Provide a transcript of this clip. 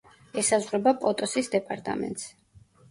ესაზღვრება პოტოსის დეპარტამენტს.